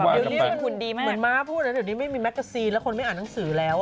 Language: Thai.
เหมือนม้าพูดแล้วเดี๋ยวนี้ไม่มีแมกเกอร์ซีนแล้วคนไม่อ่านหนังสือแล้ว